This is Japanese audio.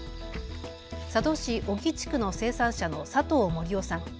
佐渡市小木地区の生産者の佐藤守夫さん。